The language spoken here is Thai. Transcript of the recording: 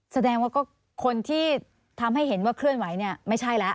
แสดงว่าก็คนที่ทำให้เห็นว่าเคลื่อนไหวเนี่ยไม่ใช่แล้ว